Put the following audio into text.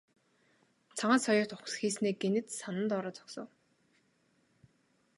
Цагаан соёот ухасхийснээ гэнэт санан доороо зогсов.